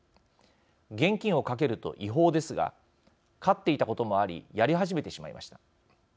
現金をかけると違法ですが勝っていたこともありやり始めてしまいました。